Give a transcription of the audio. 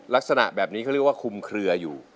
ลักษณะแบบนี้เขาเรียกว่าคุมเคลืออยู่